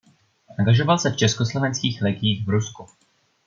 Angažoval se v Československých legiích v Rusku.